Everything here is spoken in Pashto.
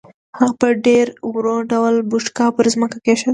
هغه په ډېر ورو ډول بوشکه پر ځمکه کېښوده.